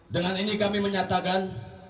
dengan ini kami menyatakan